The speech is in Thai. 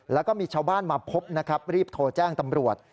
แล้วก็มีชาวบ้านมาพบนะครับรีบโทรแจ้งตำรวจ